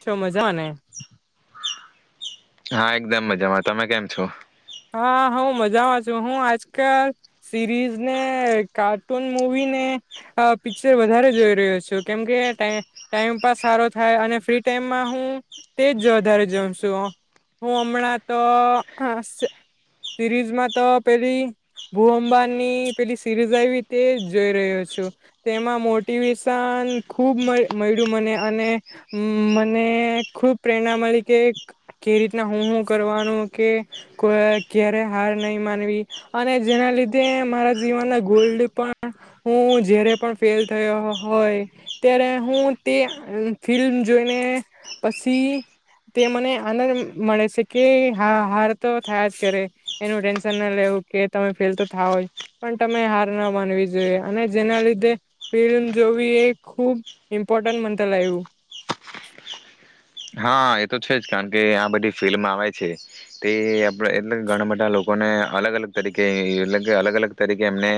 છો મજામા ને? હા એકદમ મજામાં, તમે કેમ છો? હા હુ મજામાં છું. હું આજકાલ સિરીઝને, કાર્ટૂન મુવીને, અ પિક્ચર વધારે જોઈ રહ્યો છું. કેમકે ટાઈ ટાઈમપાસ સારો થાય અને ફ્રી ટાઈમમાં હું તેજ વધારે જોઉ શું હું હમણાં તો સિરીઝમાં તો પેલી ભૂઅંબાની પેલી સિરીઝ આયવી તે જોઈ રહ્યો છું. તેમાં મોટિવેશન ખુબ મય મળ્યું મને અને મને ખુબ પ્રેરણા મળી કે કે રીતના હું હું કરવાનું કે ક્યારે હાર નહી માનવી અને જેના લીધે મારા જીવનના ગોલ્ડ પણ હું જ્યારે પણ ફેલ થયો હોય ત્યારે હું તે ફિલ્મ જોઈને પછી તે મને આનંદ મળે છે કે હા હાર તો થયા જ કરે એનું ટેન્શન ના લેવું કે તમે ફેલ તો થા હોય પણ તમે હાર ના માનવી જોઈએ અને જેના લીધે ફિલ્મ જોવી એ ખૂબ ઇમ્પોર્ટન્ટ મથલ આયવુ. હા એ તો છે જ કારણ કે આ બધી ફિલ્મ આવે છે તે આપડે એટલે ઘણા બધા લોકોને અલગ અલગ તરીકે એ કે અલગ અલગ તરીકે એમને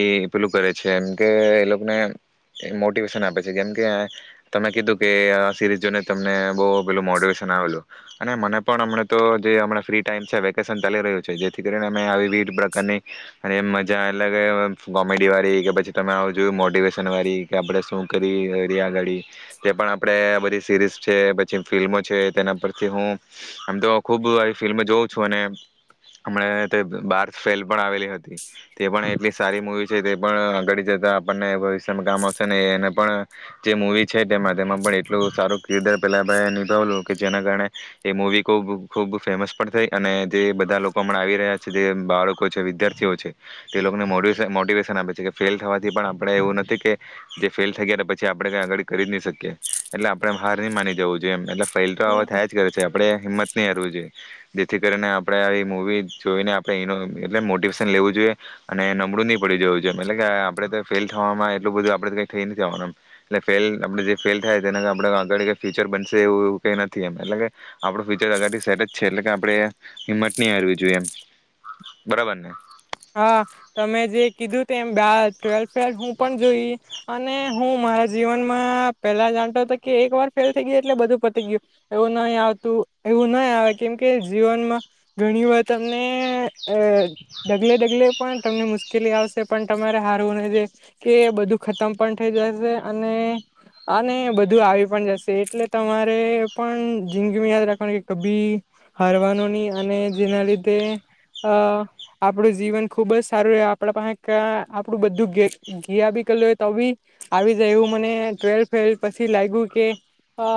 એ પેલું કરે છે એમ કે એ લોકોને મોટિવેશન આપે છે કેમકે તમે કીધું કે આ સિરીઝ જોને તમને બો પેલું મોટેશન આવેલું અને મને પણ હમણા તો જે ફ્રી ટાઈમ છે વેકેશન ચાલી રહ્યું છે જેથી કરીને આ વિવિધ પ્રકારની અને મજા એ કોમેડી વાળી કે પછી ત આવું જોયું મોટિવેશન વાળી કે આપણેે શું કરી અગાડી જે પણ આપે બધી સીરીઝ છે. જે ફિલ્મો છે તેના પરથી હું આમ તો ખુબ ફિલ્મ જોઉં છું અને હમણાં તે બારસ ફેલ પણ આવેલી હતી તે પણ એટલી સારી મુવી છે તે પણ આગળ જતા આપણને ભવિષ્યમાં કામ આવશે ને એને પણ જે મુવી છે. તેમાં તેમાં પણ એટલું સારું કિરદાર પેલા. નિભાવલું કે જેના કારણે એ મુવી ખૂબ ખૂબ ફેમસ પણ થઈ અને જે બધા લોકો આવી રહ્યા છે જે બાળકો છે વિદ્યાર્થીઓ છે તે લોકોને મો મોટિવેશન આપે છે કે ફેલ થવાથી પણ આપડે એવું નથી કે જે ફેલ થઈ ગ પછી આપડણે ક આગળ કરી જ નહી શકીએ એટલે આપણે હાર નહી માની જવું જેમ એલેફ ફેલ તો હવે થયા જ કરે છે એમ. આપણે હિંમત નહી હરવું જોઈએ જેથી કરીને આપણે આવી મૂવી જોઈને આપણે એટલે મોટિવેશન લેવું જોઈએ અને નબળું નહી પડી જવું જોઈએ એટલે કે આપણેે ફેલ થવામાં એટલું બધું આપડે કંઈ થઈ નથી થવાનું એટલે ફેલ આપણેે જે ફેલ થાય તે આપણે આગળ ફ્યુચર બન એવું એવું કઈ નથી એમ એટલે કે આપડુ ફ્યુચરથી સેટ જ છે એટલે કે આપણે હિંમત નહી હારવી જોઈએ એમ બરાબર ને હા તમે જે કીધું તે એમ ટ્વેલ્થ ફેલ હું પણ જોઈ અને હું મારા જીવનમાં પેલા જાણતો હતો કે એક વાર ફેલ થઈ ગયા એટલે બધું પતી ગયું એવું નહી આવતું એવું નહી આવે કેમકે જીવનમાં ઘણી વાર તમને અ ઢગલે ડગલે પણ તમને મુશ્કેલી આવશે પણ તમારે હારવું ન કે બધું ખતમ પણ થઈ જશે અને અને બધું આવી પણ જશે. એટલે તમારે પણ જિદગી યાદ રાખવાનું કે કભી હારવાનું નહી અને જેના લીધે અ આપણું જીવન ખુબ જ સારું રહે આપણા પાસે આપણું બધું ગયા બી કરલું હોય તો બી આવી જાયું મને ટ્વેલથ ફેલ પછી લાગ્યું કે અ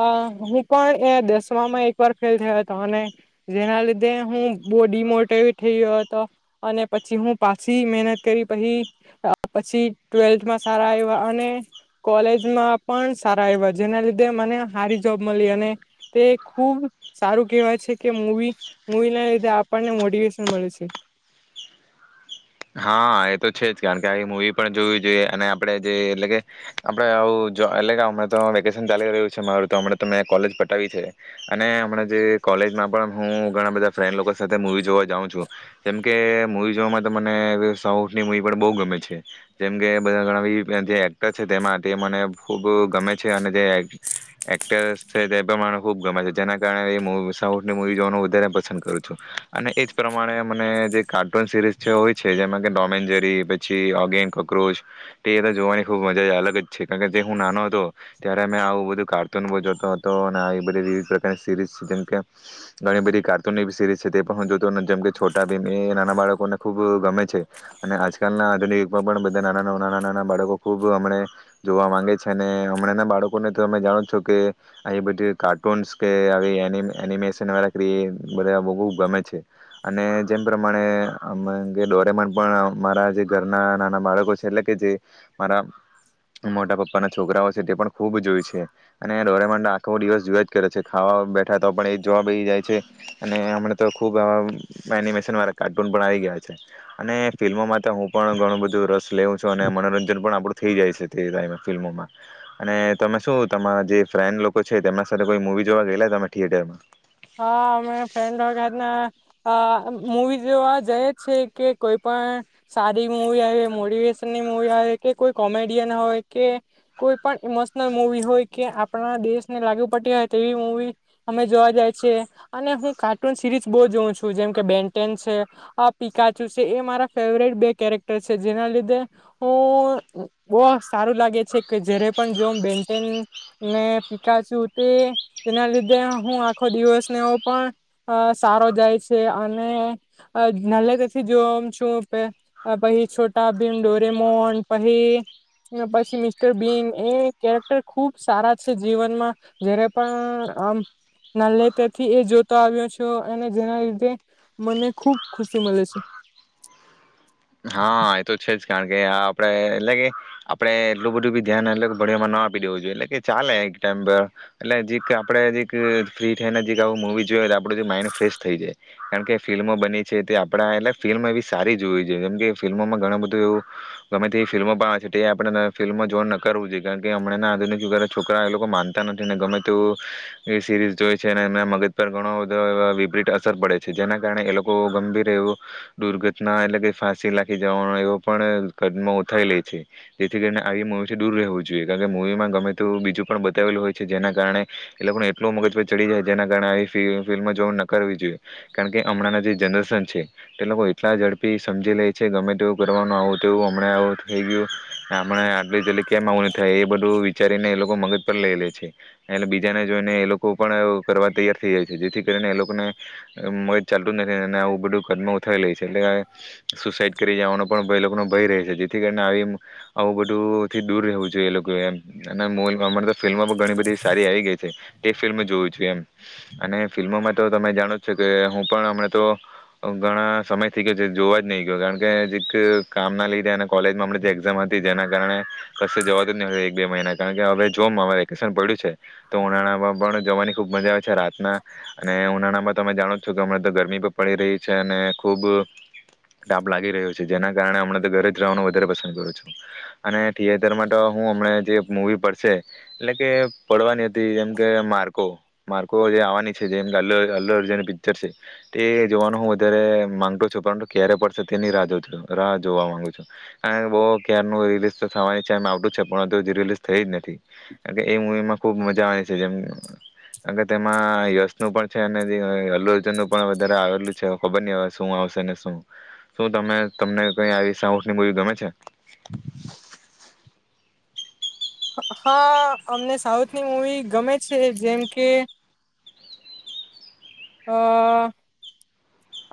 હું પણ એ દસમામાં એક વાર ફેલ થયો હતો અને જેના લીધે હું બવડીમોટીવ થઈ ગયો હતો અને પછી હું પાછી મહેનત કરી પછી પછી ટ્વેલ્થમાં સારા આયવા અને કોલેજમાં પણ સારા આવ્યા જેના લીધે મને હારી જોબ મળી અને તે ખુબ સારું કેહેવાય છે કે મુવી મવી ના લીધે આપણને મોટિવેશન મળે છે. હા એ તો છે જ કારણ કે આવી મુવી પણ જોવી જોઈએ અને આપડે જે એટલે કે આપડે આવું જ એટલે કે હમણા તો વેકેશન ચાલી રહ્યું છે મારું તો હમણા તો મેં કોલેજ પટાવી છે અને હમણા જે કોલેજમાં પણ હું ઘણા બધા ફ્રેન્ડ લોકો સાથે મૂવી જોવા જાઉં છું જેમકે મૂવી જોવામાં તમા ને એવી સાઉથની મૂવી પણ બહુ ગમે છે જેમ કે બધા ઘણા પૈકી જે એક્ટર છે તેમાં તે મને ખૂબ ગમે છે અને જે એક્ટર્સ છે તે તો મને ખુબ ગમે છે જેના કારણે સાઉથની મૂવી જોવાનું વધારે પસંદ કરું છું અને એજ પ્રમાણે મને જે કાર્ટૂન સિરીઝ. જે હોય છે જેમાં કે ટોમેનજરી પછી ઓગી એન્ડ કોક્રોચ તે તો જોવાની ખૂબ મજા અલગ જ છે કારણ કે જે હું નાનો હતો ત્યારે મે આવું બધું કાર્ટૂન બવ જોતો હતો અને આવી બધી વિવિધ પ્રકારની સિરીઝ છે જેમકે ઘણી બધી કાર્ટૂનની સીરીઝ છે તે પણ હું જોતો જેમકે છોટા ભીમે નાના બાળકોના ખૂબ ગમે છે અને આજકાલના આધુનિક યુગમાં પણ બધા નાના નાના નાના બાળકો ખૂબ હમણાં જોવા મામાંગે છે અને હમણાંનાં બાળકોને તો તમે જાણો જ છો કે આવી બધી કાર્ટૂન્સ કે આવી એનિ એનિમેશનવાળા ક્રિ એ બધા ખૂબ ગમે છે અને જેમ પ્રમાણે. આમ ડોરેમડ પણ મારા જે ઘરના નાના બાળકો છે એટલે કે જે મારા મોટા પપ્પાના છોકરાઓ છે તે પણ ખુબ જોય છે અને ડોરેમોન આખો દિવસ જોયા જ કરે છે ખાવા બેઠા તો પણ એ જોવા બેસી જાય છે અને હમના તો ખુબ આ એનિમેશન વાળ કાર પણ આવી ગયા છે અને ફિલ્મોમાં હું પણ ઘણું બધું રસ લેઉ છું અને મનોરંજન પણ આપડું થઈ જાય છે તે [unintelligible] ફિલ્મોમાં અને તમે શું તમારા જે ફ્રેન્ડ લોકો છે તેમના સાથે કોઈ મુવી જોવા ગયેલા તમે થિયેટરમાં. હા અમે ફ્રેન્ડ લોકાના અ મૂવી જોવા જઈએ છે કે કોઈ પણ સાદી મુવી આવે મોટિવેશનની મુવી આવે કે કોઈ કોમેડિયન હોય કે કોઈ પણ ઈમોશનલ મુવી હોય કે આપણા દેશને લાગુ પડતી હોય તેવી મુવી અમે જોવા જાય છે અને હું કાર્ટૂન સિરીઝ બહુ જોઉં છું જેમકે બેનટેેન છે આ પિકાચુ છે એ મારા ફેવરેટ બે કેરેક્ટર છે જેના લીધે હું. બઉ સારું લાગે છે કે જયારે પણ જોઉ બેનટેન ને પિકાચું તે તેના લીધે હું આ આખો દિવસનેવ પણ સારો જાય છે અને [unintelligible] જોવ છું પછી છોટા ભીન ડોરેમોન પસી પછી મિસ્ટર બીન એ કેરેક્ટર ખુબ સારા છે જીવનમાં જયારે પણ આમ. [unintelligible] થી એ જોતો આવ્યો છૂ અને જેના લીધે મને ખુબ ખુશી મળે છે. હા એ તો છે જ. કારણ કે આ આપણેે એટલે કે આપડે એટલું બધું બી ધ્યાન એટલે ભણમાં ના આપી દેવું જોઈએ એટલે કે ચાલે એક ટાઈમ પર એટલે જે આપણેે જે ફ્રી થઈને જે આવ મુવી જોયએ તો આપણું જે માઈન્ડ ફ્રેશ થઈ જાય કારણ કે ફિલ્મો બની છે તે આપણા એટલે ફિલ્મ એવી સારી જોવીએ. જોઇએ એમ જે ફિલ્મોમાં ઘણું બધું એવું ગમે તે ફિલ્મો પા છે આપ ફિલ્મો જોઈ ન કરવું જોઈએ કારણ કે હમણાં આધુનિક યુગ ના છોકરા એ લોકો માનતા નથી ને ગમે તેવું સિરીઝ જોય છે એમના મગજ પર ઘણો બધો વિપરીત અસર પડે છે જેના કારણે એ લોકો ગંભીર એવું દુર્ઘટના એટલે કે. ફાંસી લાગી જવાનો એવો પણ કદમ ઉઠાવી લે છે જેથી કરીને આવી મૂવીથી દૂર રહેવું જોઈએ કારણ કે મૂવીમાં ગમે તે બીજું પણ બતાવેલું હોય છે જેના કારણે એ લોકોને એટલું મગજ પર ચડી જાય જેના કારણે આવી ફિલ્મ જોઈન ન કરવી જોઈએ કારણ કે હમણાંના જે જનરેશન છે તે લોકો એટલા ઝડપી. સમજી લે છે કે ગમે તેવું કરવાનું આવું તેવું હમણાં આવું થઈ ગયું. હમણા આટલી જલ્દી કેમ એવું નહી થાય એ બધું. વિચારીને એ લોકો મગજ પર લઈ લે છે એટલે બીજાને જોઈને એ લોકો પણ કરવા તૈયાર થઈ જાય છે જેથી કરીને એ લોકોને મગજ ચાલતું જ નથી અને આવું બધું કદમો ઉઠાવી લે છે એટલે. સુસાઈડ કરી જવાનો પણ લોકોનો ભય રહે છે જેથી કરીને આવી આવું બધુંથી દૂર રહેવું જોઈએ એ લોકો એમ અને અમારે તો ફિલ્મો પણ ઘણી બધી સારી આવી ગઈ છે તે ફિલ્મ જોવું જોઈએ એમ અને ફિલ્મોમાં તો તમે જાણો જ છો કે હું પણ હમણા તો ઘણા સમય થી. જોવા જ નહી ગયો કારણ કે જે કામ ના લીધે અને કોલેજમાં જે એક્ઝામ હતી જેના કારણે કશે જવાત જ નહી એક બે મહિના કારણ કે હવે જો મારે વેકેશન પડ્યું છે તો ઉનાળામાં પણ જવાની ખુબ મજા આવે છે રાતના અને ઉનાળામાં તમે જાણો જ છો કે હમણા તો ગરમી પણ પડી રહી છે અને ખુબ. ટાપ લાગી રહ્યો છે જેના કારણે હમણાં તો ઘરે જ રેવાનું વધારે પસંદ કરું છું. અને થિયેટર માટે તો હું હમને જે મુવી પડશે એટલે કે પડવાની હતી એમ કે માર્કો માર્કો એ આવાની છે જેમ [unintelligible] પિક્ચર છે તે જોવાનું હું વધારે માંગતો છું પરંતુ ક્યારે પડશે તેની રાહ જો [inaudible] રાહ જોવા માંગુ છું અને બહુ ક્ય્યારનું રિલીઝ તો થવાની છે આમ આવતું જ છે પણ હજી રિલીઝ થઈ જ ન હતી કેમકે એ મુવી માં ખુબ મજા આવે જે એમ અગર તેમાં યશ નું પણ છે અને તે અલ્લુજન નું પણ વધારે આવેલું છે ખબર નહી હવે શું આવશે ને શું શું તમે તમને કઈ આવી સાઉસની મુવી ગમે છે? હા અમને સાઉથની મૂવી ગમે છે. જેમ કે અ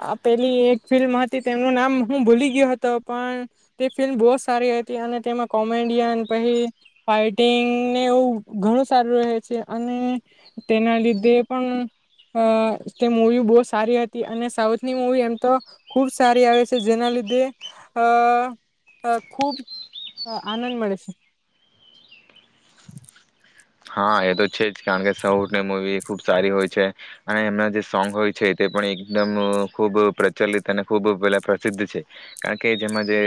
આ પેલી એક ફિલ્મ હતી તેમનું નામ હું ભૂલી ગયો હતો પણ તે ફિલ્મ બહુ સારી હતી અને તેમાં કોમેડિયન પછી ફાઇટિંગ ને એવું ઘણું સારું રહે છે અને તેના લીધે પણ અ તે મૂવી બહુ સારી હતી અને સાઉથની મૂવી એમ તો ખૂબ સારી આવે છે. જેના લીધે એ અ ખૂબ આનંદ મળે છે. હા એ તો છે જ કારણ કે સૌની મૂવી ખુબ સારી હોય છે. અને એમનાં જે સોંગ હોય છે તે પણ એકદમ ખૂબ પ્રચલિત અને ખૂબ પહેલાં પ્રસિદ્ધ છે કારણ કે જેમાં જે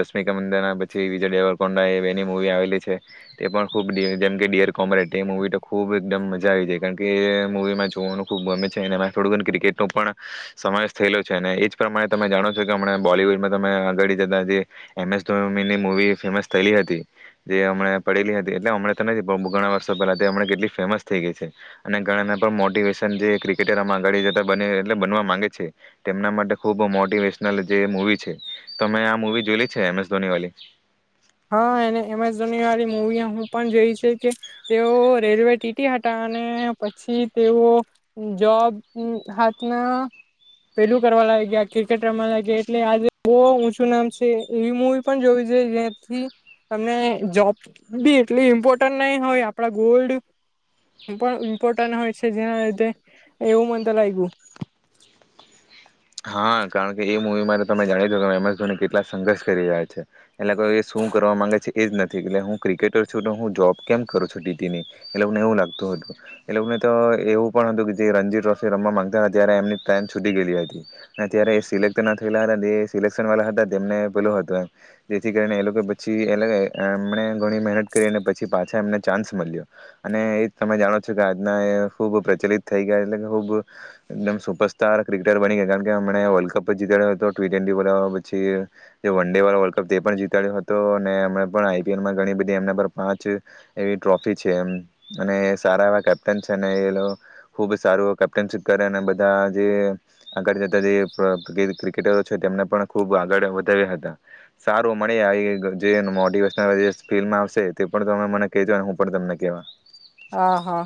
રશ્મિકા મંદના પછી વિજય ડેવરકોંડા એ એની મૂવી આવેલી છે તે પણ ખૂબ જેમકે ડિયર કોમેડ એ મવી તો ખૂબ એકદમ મજા આવી જાય કારણ કે એ મુવીમાં જોવાનું ખૂબ ગમે છે અને થોડું ક્રિકેટનો પણ સમાવેશ થયેલો છે અને એ જ પ્રમાણે તમે જાણો છો કે હમ બોલીવૂડમાં તમે અગાડી જતા જે એમ એસ ધોની મુ વી ફેમસ થયેલી હતી જે હમણા પડેલી હતી એટલે હમણા તો નથી પણ મુ ઘણા વર્ષો પહેલા હમણા કેટલી ફેમસ થઈ ગઈ છે અને ઘણાના પણ મોટિવેશન જે ક્રિકેટરમાં આગળ જતા બને એટલે બનવા માંગે છે તેમના માટે ખૂબ મોટિવેશનલ જે મુવી છે. તોમે આ મુવી જોઈલી છે એમ એસ ધોની વાલી? હા એને એમેઝોની વાળી મવી હું પણ જોઈ છે કે તેઓ રેલવે ટીટી હતા અને પછી તેઓ જોબ હાથના પેલું કરવા લાયગા ક્રિકેટ રમવા લાગ એટલે આજે ઊંચું નામ છે એવી મુવી પણ જોવી જોય તી તમને જોબ બી એટલી ઇમ્પોર્ટન્ટ નહી હોય આપડા ગોલ્ડ પણ ઇમ્પોર્ટન્ટ હોય છે જેના લીધે એવું મન તો લાગ્યું. હા કારણ કે એ મૂવીમાંરે તમે જાણી દો કે એમએસ ધોની કેટલા સંઘર્ષ કરી રહ્યા છે એટલે એ શું કરવા મામાંગે છે એ જ નથી એટલે હું ક્રિકેટર છું તો હું જોબ કેમ કરું છું ટીટીની એટ લોકોને એવું લાગતું હતું એ લોકોને તો એવું પણ હતું કે જે રણજી ટ્રોફી રમવા માંગતા હતા ત્યારે એમની ટ્રેન છૂટી ગયેલી હતી. ત્યારે એ સિલેક્ટ ના થયેલા હતા. જે સિલેક્શન વાલા હતા એને પેલો હતો એમ જેથી કરીને એ લોકો પછી એમને ઘણી મહેનત કરી પછી પાછા એમને ચાન્સ મળ્યો અને એ તમે જાણો છો કે આજના એ ખૂબ પ્રચલિત થઈ ગયા એટલે ખુબમ સુપરસ્ટાર ક્રિકેટર બની ગયા. એમણે વલ્ડ કપ જીતાડ્યો હતો ટી ટવે પછી વન ડે વલ્ડ કપ પણ જીતાડ્યો હતો અને હમ પણ આઈપીએલમાં ઘણી બધી એમના પર પાંચ એવી ટ્રોફી છે એમ અને સારા એવા કેપ્ટન છે એ ખુબ સારું કેપ્ટનશીપ કરે અને બધા જે આગળ જે ક્રિકેટરો છે તેમને પણ ખૂબ આગળ વધાવ્યા હતા સારો મળે [unintelligible] જે એનું મોટીવેશન ફિલ્માં આવશે તે પણ ત મને કેહેજો હું પણ તને કેવા હા હા.